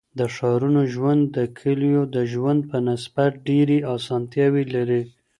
د ښارونو ژوند د کليو د ژوند په نسبت ډيري اسانتياوي لري.